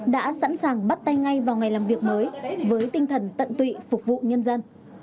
đã sẵn sàng bắt tay ngay vào ngày làm việc mới với tinh thần tận tụy phục vụ nhân dân